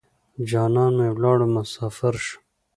جانان مې ولاړو مسافر شو.